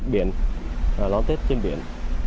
đón tết trên biển